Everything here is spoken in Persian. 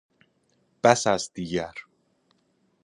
بس است دیگر